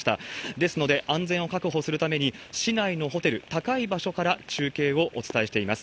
ですので、安全を確保するために、市内のホテル、高い場所から中継をお伝えしています。